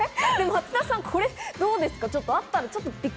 松田さん、どうですか？